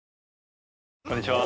こんにちは。